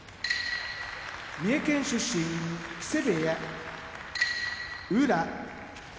三重県出身木瀬部屋宇良